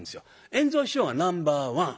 圓蔵師匠がナンバーワン。